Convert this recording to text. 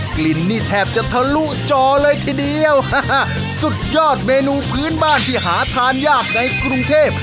กลิ่นนี่แทบจะทะลุจอเลยทีเดียวสุดยอดเมนูพื้นบ้านที่หาทานยากในกรุงเทพ